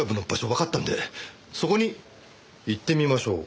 わかったんでそこに行ってみましょう。